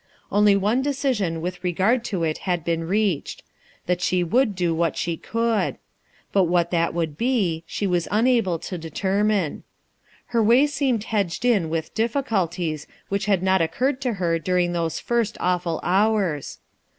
Only one decision with regard to it had been reached : that she would do what she could; but what that would be, she was unable to determine* Her way seemed hedged in with difficulties which had not occurred to her during those first 250 RUTH ERSKIXE'S SON awful hours.